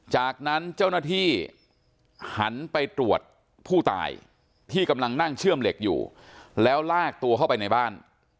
จากนั้นเจ้าหน้าที่หันไปตรวจผู้ตายที่กำลังนั่งเชื่อมเหล็กอยู่แล้วลากตัวเข้าไปในบ้าน